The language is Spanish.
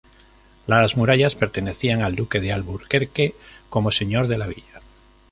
Las murallas pertenecían al duque de Alburquerque como señor de la villa.